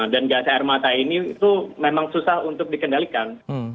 dan gas air mata ini itu memang susah untuk dikendalikan